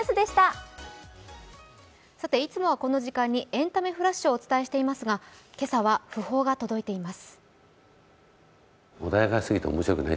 いつもはこの時間にエンタメフラッシュをお伝えしていますが今朝は訃報が届いています。